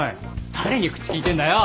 誰に口利いてんだよ。